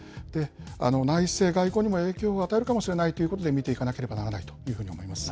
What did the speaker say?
内政、外交にも影響を与えるかもしれないということで、見ていかなければならないというふうに思います。